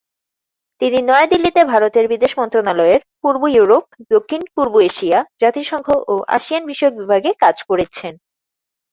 তিনি নয়াদিল্লিতে ভারতের বিদেশ মন্ত্রণালয়ের পূর্ব ইউরোপ, দক্ষিণ পূর্ব এশিয়া, জাতিসংঘ ও আসিয়ান বিষয়ক বিভাগে কাজ করেছেন।